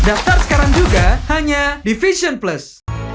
daftar sekarang juga hanya di fashion plus